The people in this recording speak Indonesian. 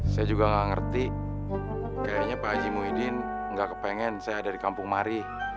saya juga gak ngerti kayaknya pak haji muhyiddin nggak kepengen saya ada di kampung mari